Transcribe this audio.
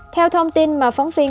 theo thông tin mà phóng viên